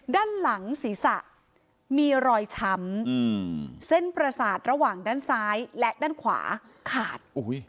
ด้านหลังศีรษะมีรอยช้ำเส้นประสาทระหว่างด้านซ้ายและด้านขวาขาด